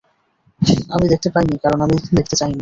আমি দেখতে পাইনি কারণ আমি দেখতে চাইনি।